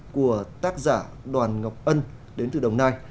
của tác giả đoàn ngọc ân đến từ đồng nai